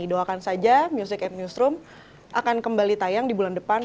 doakan saja music at newsroom akan kembali tayang di bulan depan